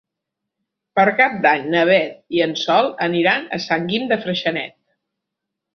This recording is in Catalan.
Per Cap d'Any na Beth i en Sol aniran a Sant Guim de Freixenet.